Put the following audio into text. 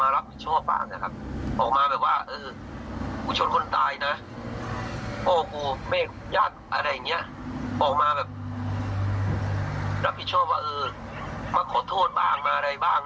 รับผิดชอบว่าเออมาขอโทษบางมาอะไรบ้าง